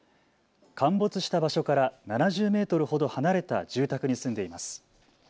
陥没した場所から７０メートルほど離れた住宅に住んでいます。